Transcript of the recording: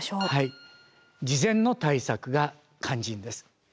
事前の対策が肝心です。